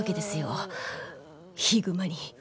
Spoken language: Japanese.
ヒグマに。